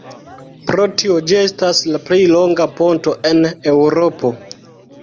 Pro tio ĝi estas la plej longa ponto en Eŭropo.